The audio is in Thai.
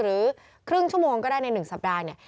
หรือครึ่งชั่วโมงก็ได้ในหนึ่งสัปดาห์